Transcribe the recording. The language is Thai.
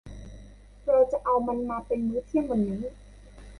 เราจะเอามันมาเป็นมื้อเที่ยงวันนี้